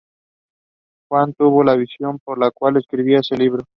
Juan tuvo la visión por la cual escribiría ese libro.